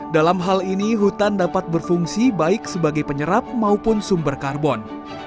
dalam hal ini hutan dapat berfungsi baik sebagai penyerap maupun sumber karbon